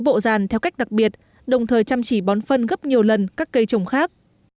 bí đao khổ giàn theo cách đặc biệt đồng thời chăm chỉ bón phân gấp nhiều lần các cây trồng khác